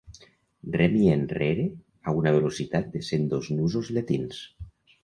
Remi enrere a una velocitat de cent dos nusos llatins.